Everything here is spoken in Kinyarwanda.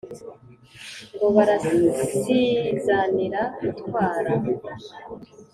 ngo barasizanira gutwara